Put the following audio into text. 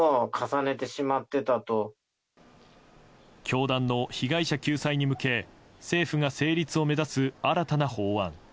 教団の被害者救済に向け政府が成立を目指す新たな法案。